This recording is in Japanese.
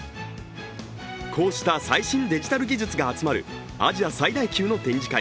こうした最新デジタル技術が集まるアジア最大級の展示会